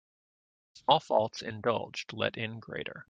Small faults indulged let in greater.